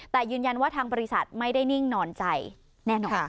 แต่ยืนยันว่าทางบริษัทไม่ได้นิ่งนอนใจแน่นอน